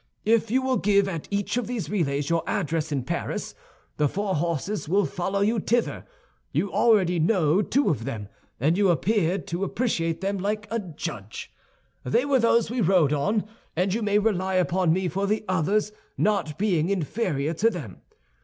If you will give at each of these relays your address in Paris, the four horses will follow you thither. You already know two of them, and you appeared to appreciate them like a judge. They were those we rode on; and you may rely upon me for the others not being inferior to them.